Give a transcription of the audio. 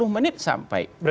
sepuluh menit sampai